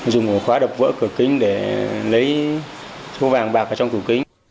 dùng một khóa đập vỡ cửa kính để lấy số vàng bạc ở trong cửa kính